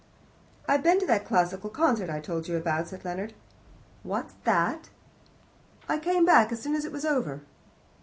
"I've been to that classical concert I told you about," said Leonard. "What's that?" "I came back as soon as it was over."